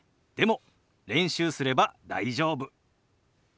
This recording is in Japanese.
でも練習すれば大丈夫。